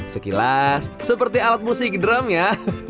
sekilas seperti alat musik drum ya